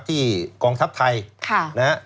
ที่กองทัพไทย